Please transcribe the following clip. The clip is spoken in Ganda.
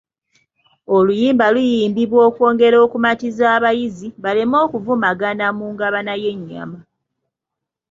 Oluyimba luyimbibwa okwongera okumatiza abayizzi baleme okuvumagana mu ngabana y’ennyama.